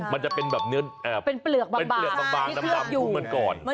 มันจะเป็นแบบเนื้อเปลือกบางที่เคลือกอยู่